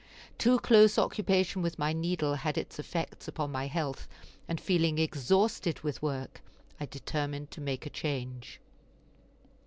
Too close occupation with my needle had its effects upon my health, and feeling exhausted with work, I determined to make a change.